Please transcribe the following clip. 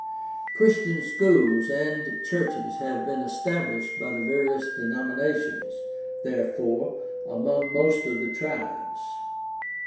Christian schools and churches have been established by the various denominations, therefore, among most of the tribes.